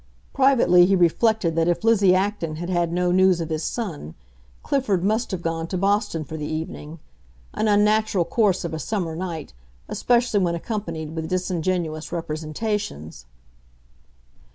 Privately, he reflected that if Lizzie Acton had had no news of his son, Clifford must have gone to Boston for the evening: an unnatural course of a summer night, especially when accompanied with disingenuous representations.